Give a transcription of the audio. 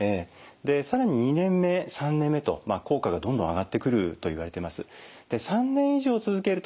更に２年目３年目と効果がどんどん上がってくるといわれてます。